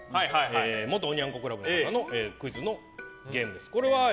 元おニャン子クラブのクイズのゲームです。